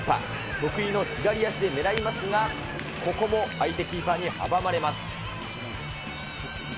得意の左足で狙いますが、ここも相手キーパーに阻まれます。